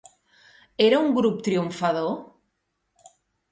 Era un grup triomfador?